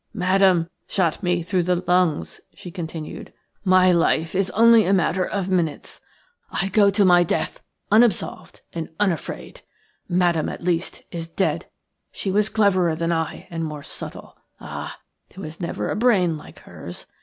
"Madame shot me through the lungs," she continued. "My life is only a matter of minutes. I go to my death unabsolved and unafraid. Madame, at least, is dead. She was cleverer than I and more subtle. Ah! there never was a brain like hers.